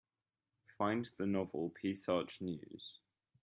Find the novel Peace Arch News